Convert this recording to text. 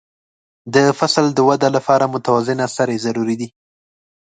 د فصل د وده لپاره متوازنه سرې ضروري دي.